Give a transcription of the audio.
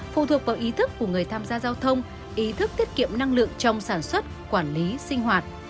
phụ thuộc vào ý thức của người tham gia giao thông ý thức tiết kiệm năng lượng trong sản xuất quản lý sinh hoạt